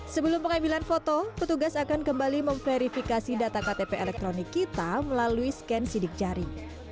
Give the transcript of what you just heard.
sebelum pengambilan foto petugas akan kembali memverifikasi data ktp elektronik kita melalui scan sidik jari